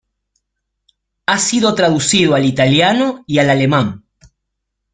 Ha sido traducido al italiano y al alemán.